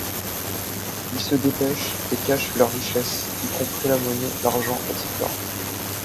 Ils se dépêchent et cachent leurs richesses, y compris la monnaie, l'argent, etc.